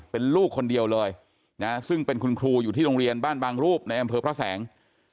เป็นลูกคนเดียวเลยนะซึ่งเป็นคุณครูอยู่ที่โรงเรียนบ้านบางรูปในอำเภอพระแสง